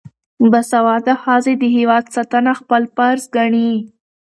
باسواده ښځې د هیواد ساتنه خپل فرض ګڼي.